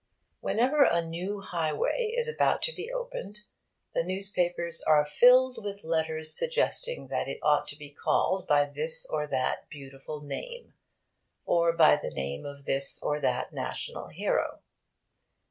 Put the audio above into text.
Whenever a new highway is about to be opened, the newspapers are filled with letters suggesting that it ought to be called by this or that beautiful name, or by the name of this or that national hero.